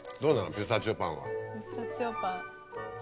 ピスタチオパン。